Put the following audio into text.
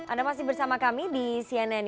anda masih bersama kami di cnn indonesia